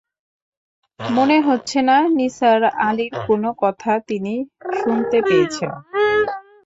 মনে হচ্ছে না, নিসার আলির কোনো কথা তিনি শুনতে পেয়েছেন।